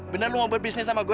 bener lo mau berbisnis sama gue